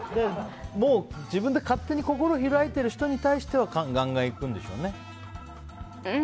もう自分で勝手に心開いている人に対してはガンガンいくんでしょうね。